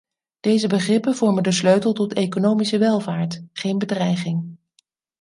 Deze begrippen vormen de sleutel tot economische welvaart, geen bedreiging.